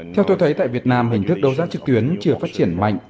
theo tôi thấy tại việt nam hình thức đấu giá trực tuyến chưa phát triển mạnh